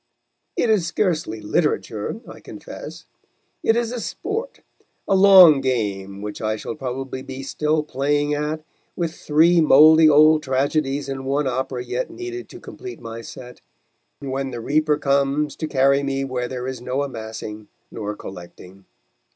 It is scarcely literature, I confess; it is a sport, a long game which I shall probably be still playing at, with three mouldy old tragedies and one opera yet needed to complete my set, when the Reaper comes to carry me where there is no amassing nor collecting.